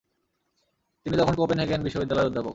তিনি তখন কোপেনহেগেন বিশ্ববিদ্যালয়ের অধ্যাপক।